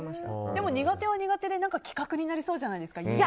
でも苦手は苦手で企画になりそうじゃないですか。